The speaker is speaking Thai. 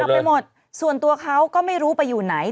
ไปหมดส่วนตัวเขาก็ไม่รู้ไปอยู่ไหน